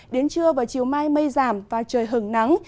đến trưa và chiều mai mây giảm và trời hứng nắng